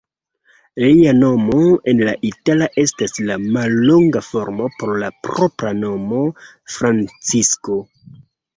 Lia nomo en la itala estas la mallonga formo por la propra nomo Francisco.